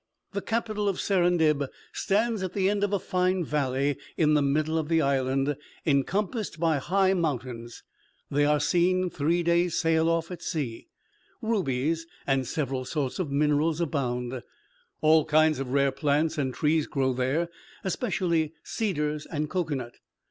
The capital of Serendib stands at the end of a fine valley, in the middle of the island, encompassed by high mountains. They are seen three days' sail off at sea. Rubies and several sorts of minerals abound. All kinds of rare plants and trees grow there, especially cedars and cocoanut.